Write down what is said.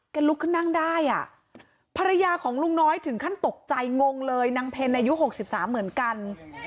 ลุกขึ้นนั่งได้อ่ะภรรยาของลุงน้อยถึงขั้นตกใจงงเลยนางเพ็ญอายุ๖๓เหมือนกัน